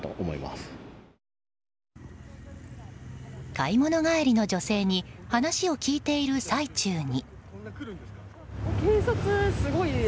買物帰りの女性に話を聞いている最中に。